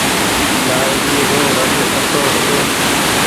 نآريگي رو رنگ ڪسو ڇي۔